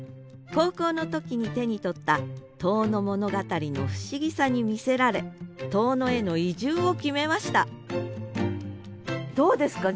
高校の時に手に取った「遠野物語」の不思議さに魅せられ遠野への移住を決めましたどうですか？